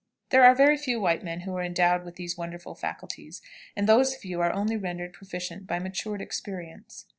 There are very few white men who are endowed with these wonderful faculties, and those few are only rendered proficient by matured experience.